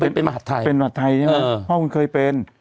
เป็นรัฐไทยใช่ไหมพ่อคุณเคยเป็น